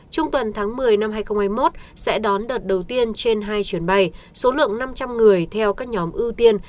trung tuần tháng một mươi năm hai nghìn hai mươi một sẽ đón đợt đầu tiên trên hai chuyến bay số lượng năm trăm linh người theo các nhóm ưu tiên